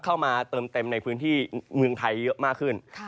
เข้ามาเติมเต็มในพื้นที่เมืองไทยเยอะมากขึ้น